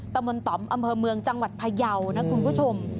ตะมนต์ต่อมอำเภอเมืองจังหวัดพยาวนะคุณผู้ชม